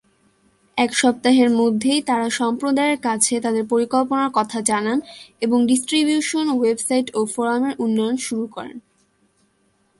এক সপ্তাহের মধ্যেই তারা সম্প্রদায়ের কাছে তাদের পরিকল্পনার কথা জানান, এবং ডিস্ট্রিবিউশন, ওয়েবসাইট ও ফোরামের উন্নয়ন শুরু করেন।